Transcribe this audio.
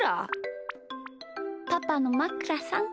パパのまくらさん